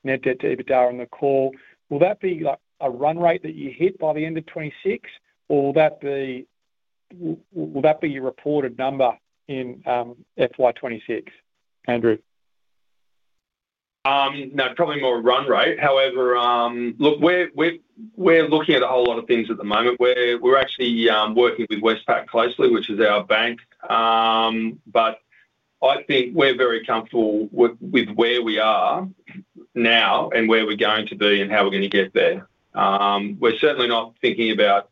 net debt to EBITDA on the call. Will that be like a run rate that you hit by the end of 2026, or will that be your reported number in FY26, Andrew? That's probably more run-rate. However, look, we're looking at a whole lot of things at the moment. We're actually working with Westpac closely, which is our bank. I think we're very comfortable with where we are now and where we're going to be and how we're going to get there. We're certainly not thinking about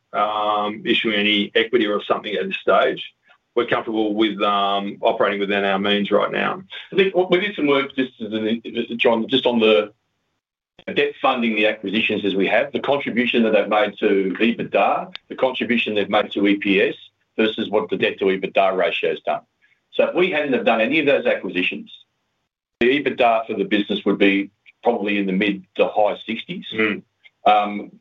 issuing any equity or something at this stage. We're comfortable with operating within our means right now. I think we did some work just as John, just on the debt funding the acquisitions as we have, the contribution that they've made to EBITDA, the contribution they've made to EPS versus what the debt to EBITDA ratio has done. If we hadn't have done any of those acquisitions, the EBITDA for the business would be probably in the mid to high $60 million.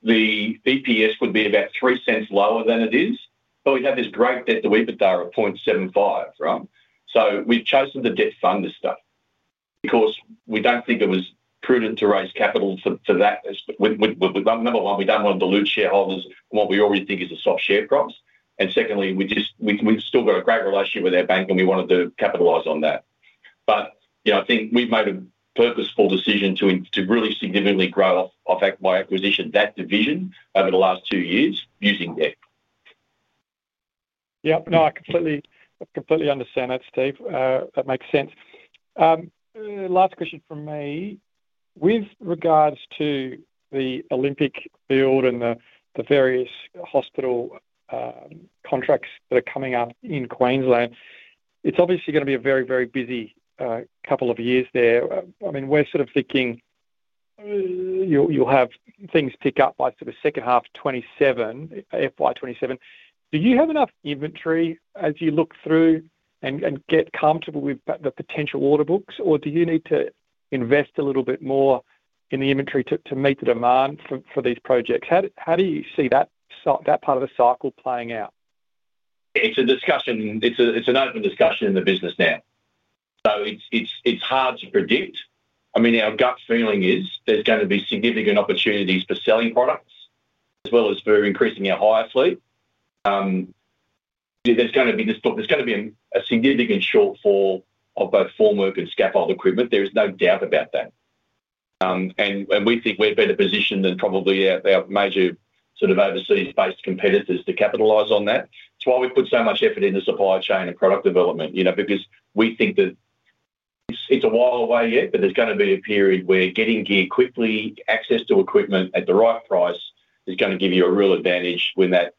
The EPS would be about $0.03 lower than it is, but we'd have this growth debt to EBITDA of 0.75. Right. We've chosen to debt fund this stuff because we don't think it was prudent to raise capital for that. Number one, we don't want to dilute shareholders from what we already think is a soft share cost. Secondly, we've still got a great relationship with our bank and we wanted to capitalize on that. I think we've made a purposeful decision to really significantly grow off by acquisition that division over the last two years using debt. Yep. No, I completely understand that, Steve. That makes sense. Last question from me. With regards to the Olympic build and the various hospital contracts that are coming up in Queensland, it's obviously going to be a very, very busy couple of years there. I mean, we're sort of thinking you'll have things pick up by sort of second half of 2027, FY27. Do you have enough inventory as you look through and get comfortable with the potential order books, or do you need to invest a little bit more in the inventory to meet the demand for these projects? How do you see that part of the cycle playing out? It's a discussion. It's an open discussion in the business now. It's hard to predict. I mean, our gut feeling is there's going to be significant opportunities for selling products as well as for increasing our hire sleep. There's going to be a significant shortfall of both formwork and scaffold equipment. There is no doubt about that. We think we're better positioned than probably our major sort of overseas-based competitors to capitalize on that. It's why we put so much effort into supply chain and product development, you know, because we think that it's a while away yet, but there's going to be a period where getting gear quickly, access to equipment at the right price, is going to give you a real advantage when that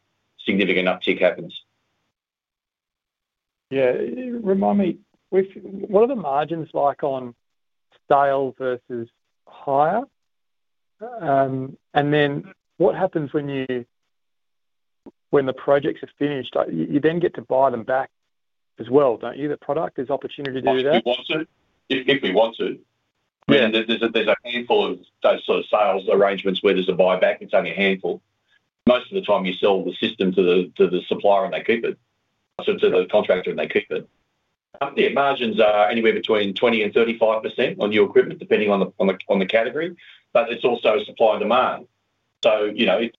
significant uptick happens. Yeah, remind me, what are the margins like on sale versus hire? What happens when the projects are finished? You then get to buy them back as well, don't you, the product? There's opportunity to do that. If we want to, yeah, there's a handful of those sort of sales arrangements where there's a buyback. It's only a handful. Most of the time you sell the system to the supplier and they keep it, or to the contractor and they keep it. Margins are anywhere between 20% and 35% on new equipment, depending on the category, but it's also supply and demand. If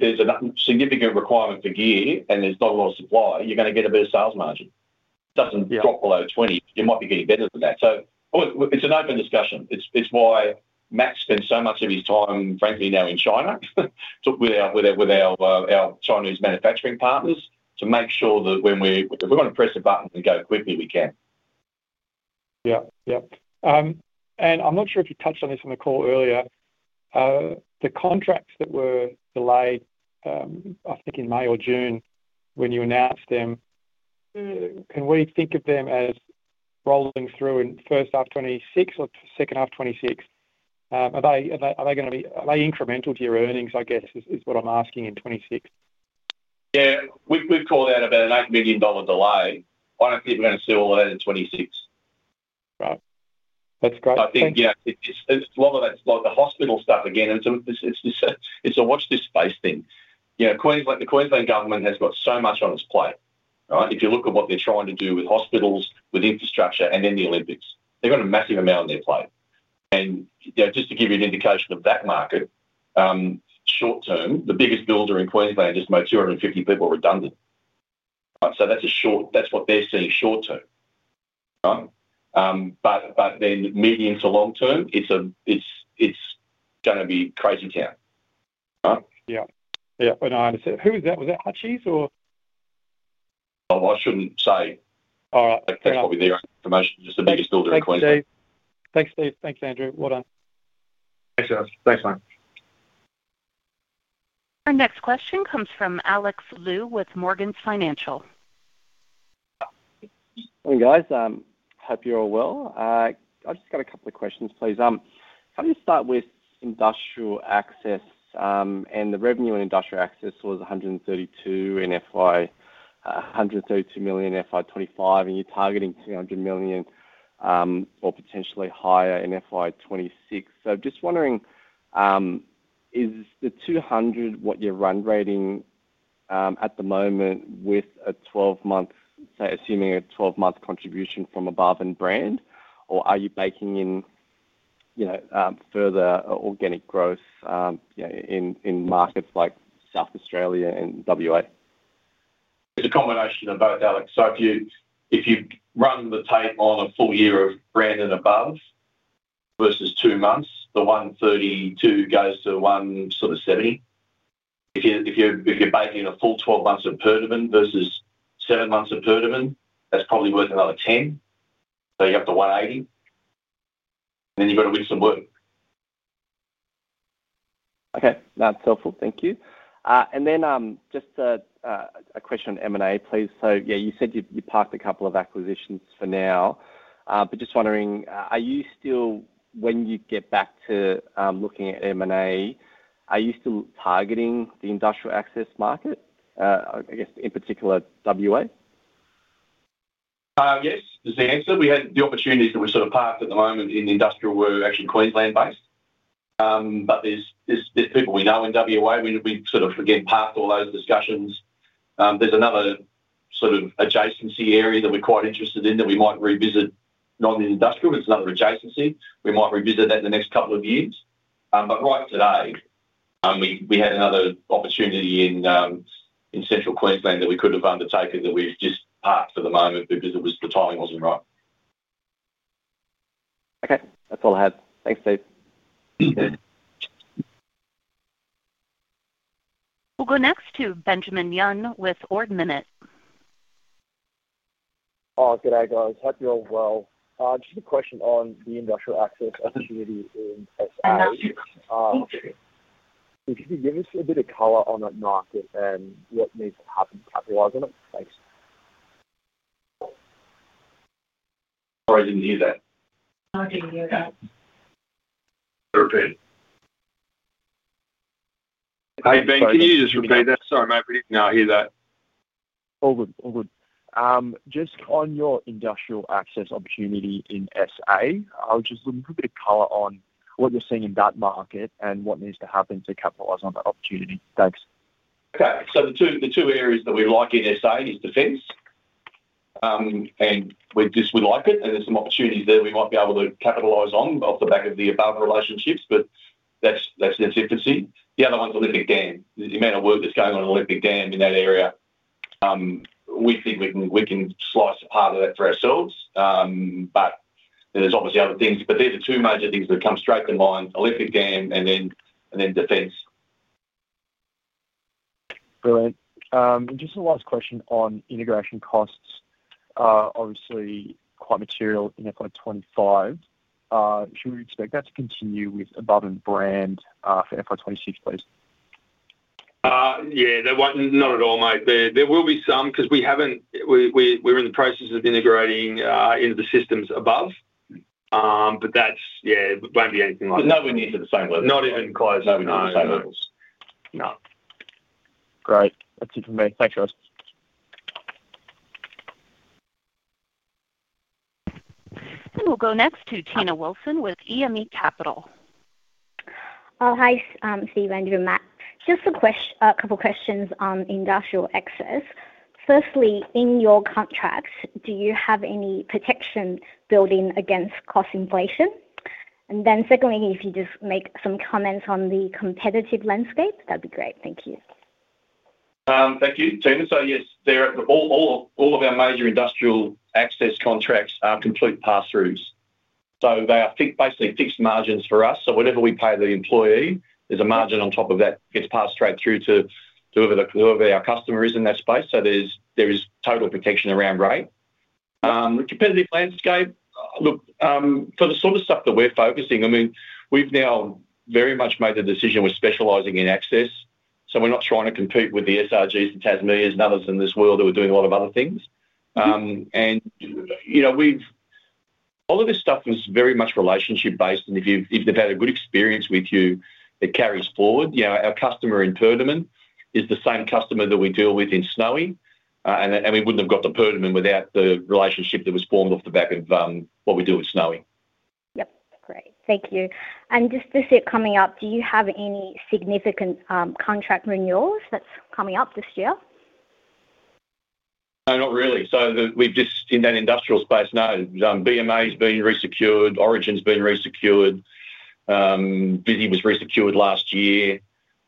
there's a significant requirement for gear and there's not a lot of supply, you're going to get a better sales margin. It doesn't drop below 20%. You might be getting better than that. It's an open discussion. It's why Matt spends so much of his time, frankly, now in China with our Chinese manufacturing partners to make sure that when we're going to press a button and go as quickly as we can. I'm not sure if you touched on this on the call earlier. The contracts that were delayed, I think in May or June when you announced them, can we think of them as rolling through in first half 2026 or second half 2026? Are they going to be, are they incremental to your earnings, I guess, is what I'm asking in 2026? Yeah, we've called out about an $8 million delay. I don't think we're going to see all that in 2026. Right. That's great. I think, yeah, it's just a lot of that's like the hospital stuff again. It's a watch this space thing. You know, the Queensland government has got so much on its plate, right? If you look at what they're trying to do with hospitals, with infrastructure, and then the Olympics, they've got a massive amount on their plate. Just to give you an indication of that market, short term, the biggest builder in Queensland just made 250 people redundant, right? That's what they're seeing short term, right? Medium to long term, it's going to be crazy town. Yep. Yep. I understand. Who's that? Was that Hutchies or? Oh, I shouldn't say. All right. That's probably their own information, just the biggest builder in Queensland. Thanks, Steve. Thanks, Steve. Thanks, Andrew. Well done. Thanks, guys. Thanks, mate. Our next question comes from [Alex Liu] with Morgan Financial. Morning, guys. Hope you're all well. I just got a couple of questions, please. How do you start with industrial access and the revenue in industrial access towards $132 million in FY25, and you're targeting $200 million or potentially higher in FY26? I'm just wondering, is the $200 million what you're run rating at the moment with a 12-month, say, assuming a 12-month contribution from Above and BRAND, or are you baking in further organic growth in markets like South Australia and WA? It's a combination of both, Alex. If you run the tape on a full year of BRAND and Above versus two months, the $132 million goes to one sort of $170 million. If you're baking in a full 12 months of Perdaman versus seven months of Perdaman, that's probably worth another $10 million. You're up to $180 million, and then you've got to win some work. Okay. That's helpful. Thank you. Just a question on M&A, please. You said you parked a couple of acquisitions for now, but just wondering, are you still, when you get back to looking at M&A, are you still targeting the industrial access market, I guess, in particular WA? Yes, as the answer, we had the opportunities that we're sort of parked at the moment in industrial were actually Queensland based. There's people we know in WA. We sort of parked all those discussions. There's another sort of adjacency area that we're quite interested in that we might revisit, not in the industrial, but it's another adjacency. We might revisit that in the next couple of years. Right today, we had another opportunity in central Queensland that we couldn't have undertaken that we've just parked for the moment because the timing wasn't right. Okay. That's all I had. Thanks, Steve. We'll go next to Benjamin Yun with Ord Minnett. Oh, good day, guys. Hope you're all well. I just have a question on the industrial access opportunities in SA. Yes, yes, yes. If you could give us a bit of color on that market and what needs to happen. [I've been working on it.] Thanks. Sorry, I didn't hear that. Oh, I didn't hear that. Okay. Hi, Ben. Can you just repeat that? Sorry, mate, we didn't hear that. All good, all good. Just on your industrial access opportunity in SA, I'll just look a little bit of color on what you're seeing in that market and what needs to happen to capitalize on that opportunity. Thanks. The two areas that we like in SA are defense, and we just would like it. There's some opportunities there we might be able to capitalize on off the back of the Above relationships, but that's its infancy. The other one's Olympic Dam. There's an amount of work that's going on in Olympic Dam in that area. We think we can slice a part of that for ourselves, but there's obviously other things. These are two major things that come straight to mind: Olympic Dam and then defense. Brilliant. Just the last question on integration costs, obviously quite material in FY25. Should we expect that to continue with Above and BRAND for FY26, please? Yeah, not at all, mate. There will be some because we haven't, we're in the process of integrating into the systems Above, but that's, yeah, it won't be anything like that. Nobody needs at the same level. Not even close. Nobody needs the same levels. No. Great, that's it for me. Thanks, guys. We will go next to Tina Wilson with EME Capital. Hi, Steve, Andrew, and Matt. Just a couple of questions on industrial access. Firstly, in your contracts, do you have any protection building against cost inflation? Secondly, if you just make some comments on the competitive landscape, that'd be great. Thank you. Thank you, Tina. Yes, all of our major industrial access contracts are complete pass-throughs. They are basically fixed margins for us. Whatever we pay the employee, there's a margin on top of that. It's passed straight through to whoever our customer is in that space. There is total protection around rate. The competitive landscape, look, for the sort of stuff that we're focusing on, we've now very much made the decision we're specializing in access. We're not trying to compete with the SRGs and [Tasmanias] and others in this world that are doing a lot of other things. All of this stuff is very much relationship-based. If they've had a good experience with you, it carries forward. Our customer in Perdaman is the same customer that we deal with in Snowy. We wouldn't have got the Perdaman without the relationship that was formed off the back of what we do in Snowy. Great. Thank you. Just this year coming up, do you have any significant contract renewals that's coming up this year? Not really. We've just, in that industrial space, no. BMA's been resecured, Origin's been resecured, Visy was resecured last year.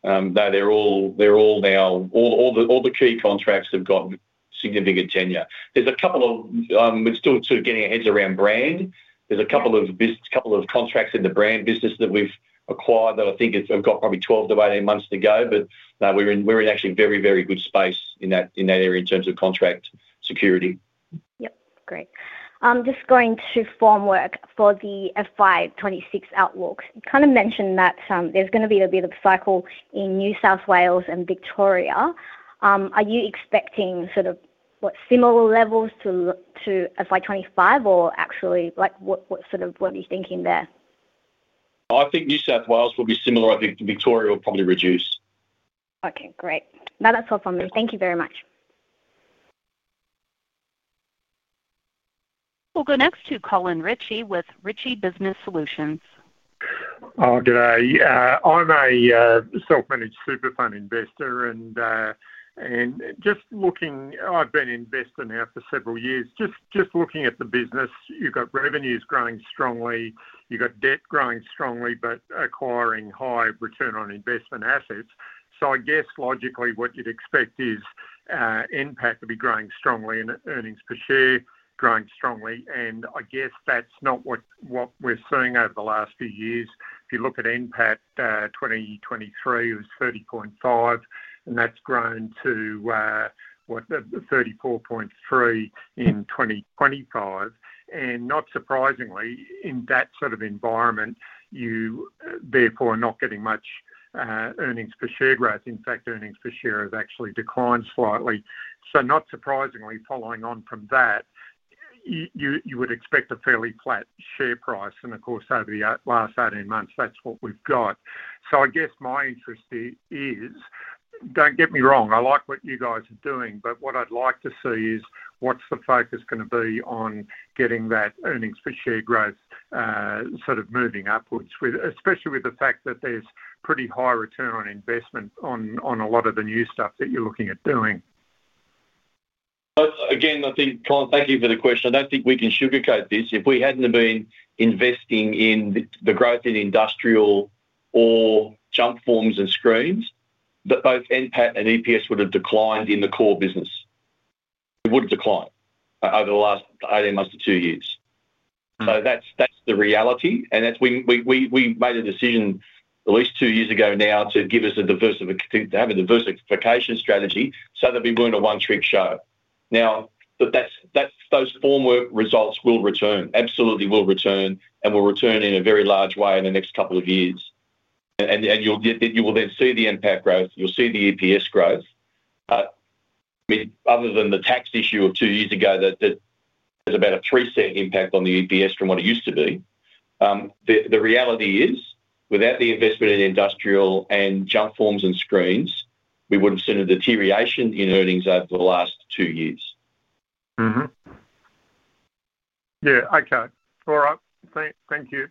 They're all now, all the key contracts have got significant tenure. We're still sort of getting our heads around BRAND. There's a couple of contracts in the BRAND business that we've acquired that I think have got probably 12-18 months to go. We're in actually very, very good space in that area in terms of contract security. Great. Just going to formwork for the FY26 outlook. You kind of mentioned that there's going to be a bit of cycle in New South Wales and Victoria. Are you expecting, what, similar levels to FY25 or actually, like, what are you thinking there? I think New South Wales will be similar. I think Victoria will probably reduce. Okay, great. No, that's helpful. Thank you very much. We'll go next to Colin Ritchie with Ritchie Business Solutions. Oh, good day. I'm a self-managed super fund investor. Just looking, I've been an investor now for several years. Just looking at the business, you've got revenues growing strongly. You've got debt growing strongly, but acquiring high return on investment assets. I guess logically what you'd expect is NPAT to be growing strongly and earnings per share growing strongly. I guess that's not what we're seeing over the last few years. If you look at NPAT 2023, it was $30.5 million, and that's grown to, what, $34.3 million in 2025. Not surprisingly, in that sort of environment, you therefore are not getting much earnings per share growth. In fact, earnings per share have actually declined slightly. Not surprisingly, following on from that, you would expect a fairly flat share price. Of course, over the last 18 months, that's what we've got. I guess my interest is, don't get me wrong, I like what you guys are doing, but what I'd like to see is what's the focus going to be on getting that earnings per share growth sort of moving upwards, especially with the fact that there's pretty high return on investment on a lot of the new stuff that you're looking at doing. Again, I think, Colin, thank you for the question. I don't think we can sugarcoat this. If we hadn't been investing in the growth in industrial or jump forms and screens, both NPAT and EPS would have declined in the core business. It would have declined over the last 18 months to two years. That's the reality. That's when we made a decision at least two years ago now to give us a diverse, to have a diverse expectation strategy so that we weren't a one-trick show. Those formwork results will return, absolutely will return, and will return in a very large way in the next couple of years. You'll then see the NPAT growth. You'll see the EPS growth. I mean, other than the tax issue of two years ago that has about a $0.03 impact on the EPS from what it used to be, the reality is without the investment in industrial and jump forms and Screens, we would have seen a deterioration in earnings over the last two years. Yeah, okay. All right. Thank you.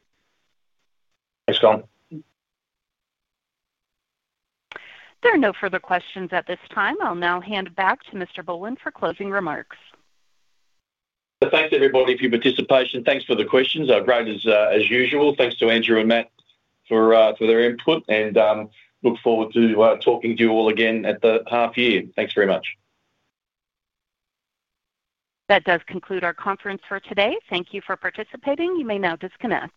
Thanks, Colin. There are no further questions at this time. I'll now hand it back to Mr. Boland for closing remarks. Thank you everybody for your participation. Thank you for the questions. Our grade is as usual. Thank you to Andrew and Matt for their input. I look forward to talking to you all again at the half year. Thank you very much. That does conclude our conference for today. Thank you for participating. You may now disconnect.